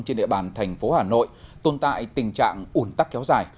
trên địa bàn thành phố hà nội tồn tại tình trạng ủn tắc kéo dài